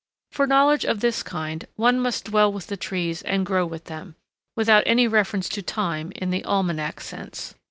For knowledge of this kind one must dwell with the trees and grow with them, without any reference to time in the almanac sense.